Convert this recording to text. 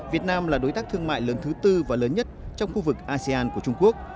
việt nam là đối tác thương mại lớn thứ tư và lớn nhất trong khu vực asean của trung quốc